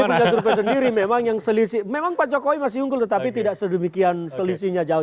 kalau punya survei sendiri memang yang selisih memang pak jokowi masih unggul tetapi tidak sedemikian selisihnya jauh